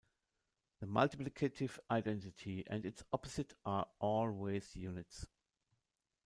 The multiplicative identity and its opposite are always units.